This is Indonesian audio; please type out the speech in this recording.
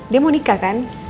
dia mau nikah kan